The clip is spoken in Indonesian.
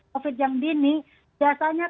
covid yang dini biasanya